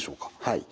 はい。